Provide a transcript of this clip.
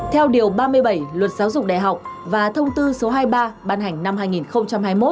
theo điều ba mươi bảy luật giáo dục đại học và thông tư số hai mươi ba ban hành năm hai nghìn hai mươi một